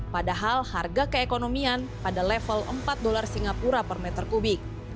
padahal harga keekonomian pada level empat dolar singapura per meter kubik